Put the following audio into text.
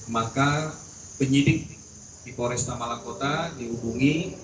maka penyidik di pores tamalangkota dihubungi